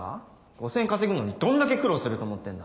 ５０００円稼ぐのにどんだけ苦労すると思ってんだ。